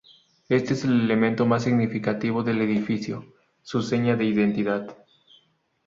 Este es el elemento más significativo del edificio, su seña de identidad.